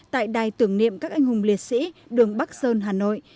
tại đài tưởng niệm các anh hùng liệt sĩ đường bắc sơn hà nội